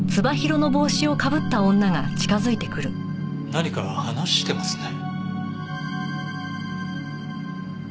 何か話してますね。